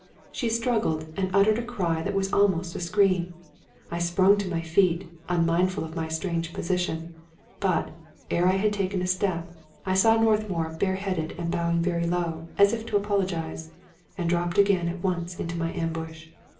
She struggled, and uttered a cry that was almost a scream. I sprung to my feet,' unmindful of my strange position; but, ere I had taken a step, I saw North mour bareheaded and bowing very low, as if to apologize; and dropped again at once into my ambush.